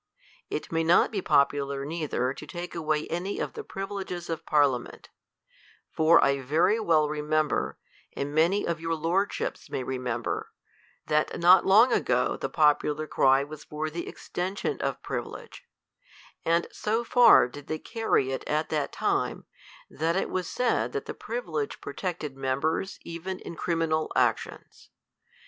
It may not be popular neither to take away any of the privileges of parliament : for I very well remember, and many of your lordships may remember, that not long ago the popular cry was for the extension of privilege ; and so far did they carry it at that time, that it was said that the privilege protected members even in criminal actions.